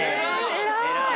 偉い！